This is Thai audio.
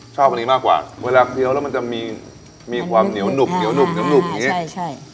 ชอบอันนี้มากกว่าเวลาเคี้ยวแล้วมันจะมีมีความเหนียวหนุบเหนียวหนุ่มอย่างนี้ใช่ใช่